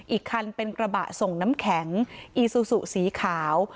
อีกคันเป็นกระบะส่งน้ำแข็งอีซูซูสีขาว